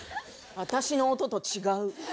私の音と違う。